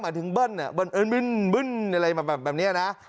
มาถึงเบิ้ลอะไรแบบนี้นะ